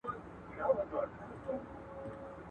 زه اوږده وخت ښوونځی ځم!